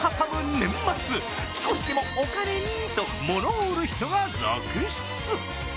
年末少しでもお金にとものを売る人が続出。